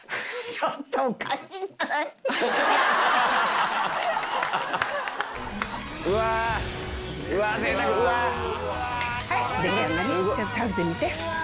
ちょっと食べてみて。